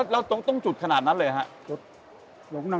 แล้วต้องจุดขนาดนั้นเลยครับ